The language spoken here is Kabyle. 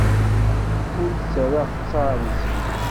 Ur d-ttarraɣ ttaṛ-nsen.